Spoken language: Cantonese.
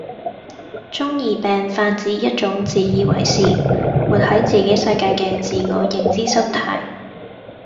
中二病泛指一種自以為是，活係自己世界嘅自我認知心態